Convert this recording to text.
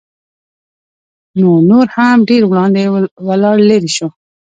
نو نور هم ډېر وړاندې ولاړ لېرې شو.